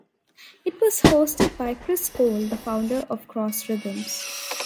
It was hosted by Chris Cole, the founder of Cross Rhythms.